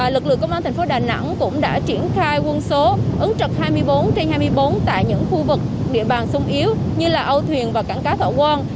lực lượng công an thành phố đà nẵng cũng đã triển khai quân số ứng trực hai mươi bốn trên hai mươi bốn tại những khu vực địa bàn sung yếu như là âu thuyền và cảng cá thọ quang